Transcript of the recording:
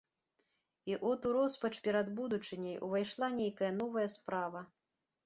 І от у роспач перад будучыняй увайшла нейкая новая справа.